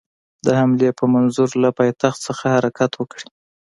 د حملې په منظور له پایتخت څخه حرکت وکړي.